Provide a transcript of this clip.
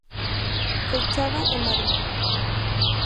Fechada en Madrid.